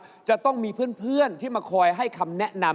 เพราะว่ารายการหาคู่ของเราเป็นรายการแรกนะครับ